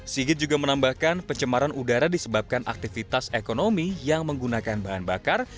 sigit juga menambahkan pencemaran udara disebabkan aktivitas ekonomi yang menggunakan bahan bakar